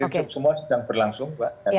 semua sedang berlangsung